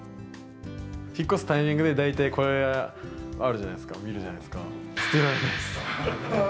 引っ越すタイミングで、大体これ、あるじゃないですか、見るじゃないですか、捨てられないです。